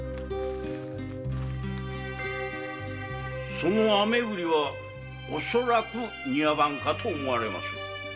その飴売りは恐らく庭番かと思われます。